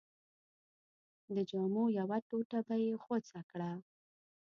د جامو یوه ټوټه به یې غوڅه کړه.